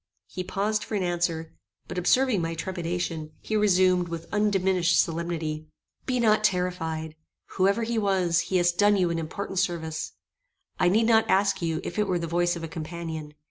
He paused for an answer; but observing my trepidation, he resumed, with undiminished solemnity: "Be not terrified. Whoever he was, he hast done you an important service. I need not ask you if it were the voice of a companion.